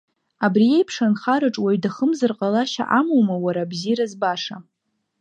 Абри еиԥш анхараҿ уаҩ дахымзар ҟалашьа амоума, уара абзиара збаша…